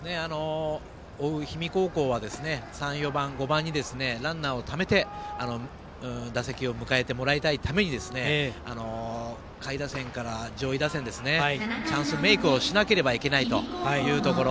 追う氷見高校は３、４、５番にランナーをためて打席を迎えてもらいたいためにですね下位打線から上位打線チャンスメイクをしなければいけないというところ。